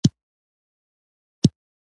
عیسی وایي دا ځمکه په اجاره ورکړې وه.